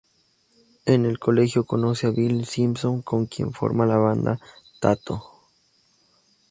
En el colegio conoce a Billy Simpson, con quien forma la banda "Tattoo".